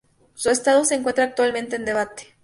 Su estado se encuentra actualmente en debate.